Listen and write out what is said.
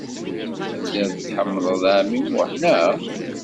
Telliḍ tḥemmleḍ ɛemmi Muḥ, naɣ?